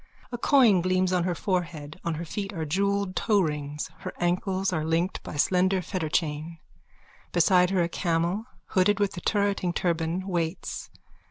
A coin gleams on her forehead. On her feet are jewelled toerings. Her ankles are linked by a slender fetterchain. Beside her a camel, hooded with a turreting turban, waits.